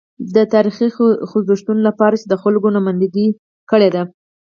د تاریخي خوځښتونو لپاره یې د خلکو نمایندګي کړې ده.